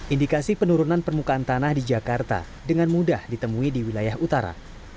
indikasi penurunan permukaan tanah di jakarta dengan mudah ditemui di wilayah utara